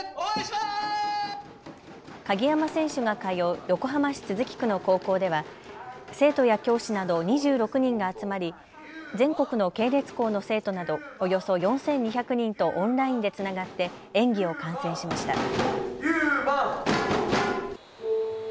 鍵山選手が通う横浜市都筑区の高校では生徒や教師など２６人が集まり全国の系列校の生徒などおよそ４２００人とオンラインでつながって演技を観戦しました。